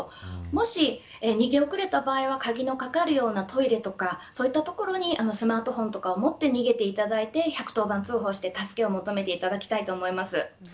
もし逃げ遅れた場合は鍵のかかるトイレとかそういった所にスマートフォンを持って逃げていただいて１００当番通報して助けを求めていただきたいと思います。